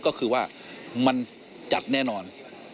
ก็คือว่ามันจัดแน่นอน